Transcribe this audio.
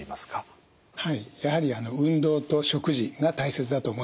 はいやはり運動と食事が大切だと思います。